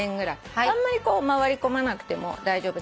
あんまり回り込まなくても大丈夫です。